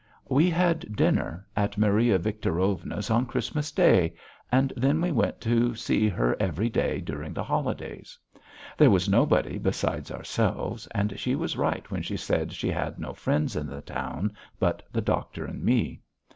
We had dinner at Maria Victorovna's on Christmas Day, and then we went to see her every day during the holidays. There was nobody besides ourselves, and she was right when she said she had no friends in the town but the doctor and me.